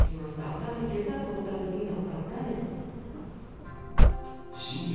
私、けさ通ったとき、なかったですよ。